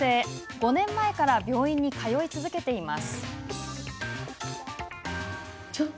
５年前から病院に通い続けています。